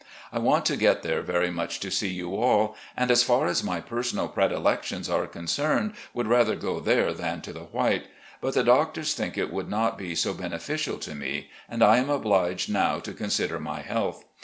I want to get there very much to see you all, and, as far as my personal predilections are concerned, would rather go there than to the White ; but the doctors think it would not be so beneficial to me, and I am obliged now to con sider my health.